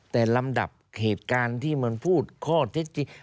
แต่ลำดับเหตุการณ์ที่มันพูดข้อเท็จจริง